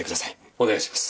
お願いします。